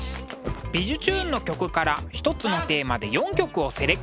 「びじゅチューン！」の曲から一つのテーマで４曲をセレクト。